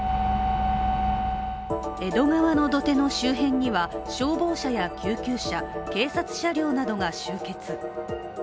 江戸川の土手の周辺には消防車や救急車、警察車両などが集結。